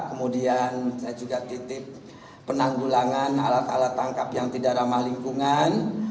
kemudian saya juga titip penanggulangan alat alat tangkap yang tidak ramah lingkungan